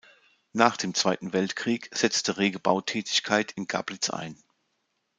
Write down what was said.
Nach dem Zweiten Weltkrieg setzte rege Bautätigkeit in Gablitz ein.